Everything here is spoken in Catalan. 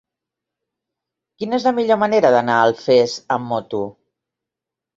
Quina és la millor manera d'anar a Alfés amb moto?